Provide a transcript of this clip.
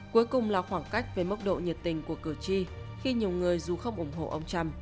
cuối cùng là khoảng cách về mức độ nhiệt tình của cử tri khi nhiều người dù không ủng hộ ông trump